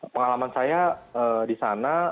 pengalaman saya di sana